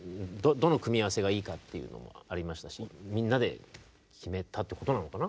どの組み合わせがいいかっていうのもありましたしみんなで決めたってことなのかな？